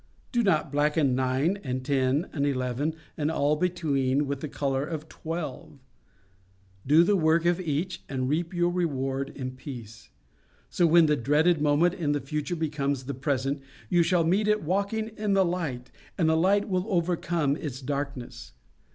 Do not blacken nine and ten and eleven, and all between, with the colour of twelve. Do the work of each, and reap your reward in peace. So when the dreaded moment in the future becomes the present, you shall meet it walking in the light, and that light will overcome its darkness.